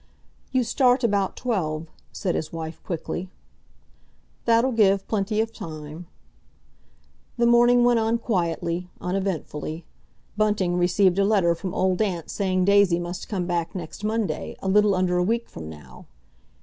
"You start about twelve," said his wife quickly. "That'll give plenty of time." The morning went on quietly, uneventfully. Bunting received a letter from Old Aunt saying Daisy must come back next Monday, a little under a week from now.